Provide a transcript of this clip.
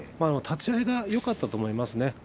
立ち合いがよかったと思いますね。